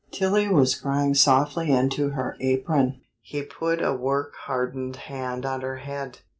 Tillie was crying softly into her apron. He put a work hardened hand on her head.